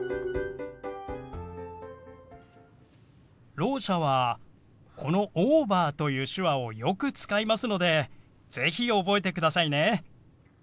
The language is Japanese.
ろう者はこの「オーバー」という手話をよく使いますので是非覚えてくださいね。